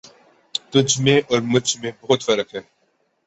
تجھ میں اور مجھ میں بہت فرق ہے